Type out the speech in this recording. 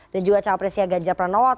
dan juga cawapresnya ganjar pranowo